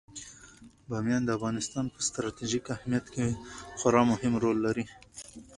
بامیان د افغانستان په ستراتیژیک اهمیت کې خورا مهم رول لري.